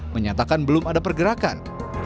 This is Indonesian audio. menyatakan belum ada pergerakan